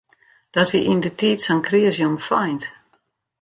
Dat wie yndertiid sa'n kreas jongfeint.